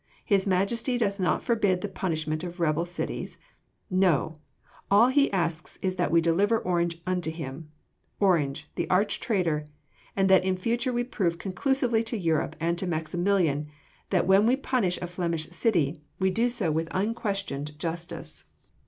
His Majesty doth not forbid the punishment of rebel cities No! all that he asks is that we deliver Orange unto him Orange, the arch traitor and that in future we prove conclusively to Europe and to Maximilian that when we punish a Flemish city we do so with unquestioned justice."